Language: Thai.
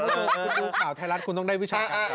คุณดูข่าวไทยรัฐคุณต้องได้วิชาการ